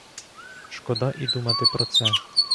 Шкода і думати про це.